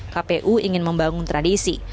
kpu ingin membangun tradisi